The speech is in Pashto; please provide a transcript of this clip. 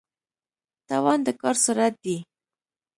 توان د کار سرعت دی.